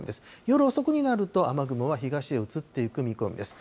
夜遅くになると、雨雲は東へ移っていく見込みです。